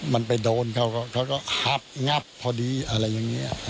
มันไปโดนเขาก็หับงับพอดีอะไรอย่างนี้